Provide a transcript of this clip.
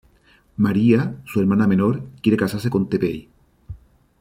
María, su hermana menor quiere casarse con Teppei.